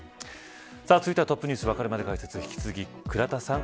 続いてはＴｏｐｎｅｗｓわかるまで解説引き続き倉田さん